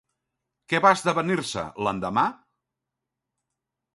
Què va esdevenir-se, l'endemà?